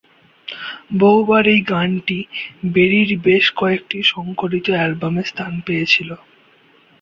বহুবার এই গানটি বেরির বেশ কয়েকটি সংকলিত অ্যালবামে স্থান পেয়েছিল।